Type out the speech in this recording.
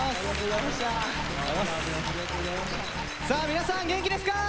さあ皆さん元気ですか！